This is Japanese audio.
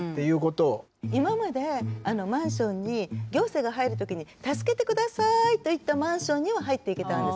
今までマンションに行政が入る時に助けてくださいと言ったマンションには入っていけたんです。